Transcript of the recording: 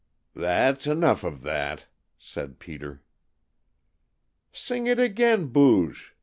"That's enough of that," said Peter. "Sing it again, Booge!"